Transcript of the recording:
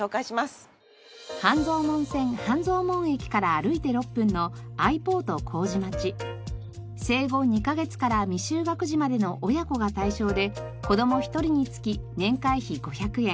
半蔵門線半蔵門駅から歩いて６分の生後２カ月から未就学児までの親子が対象で子ども１人につき年会費５００円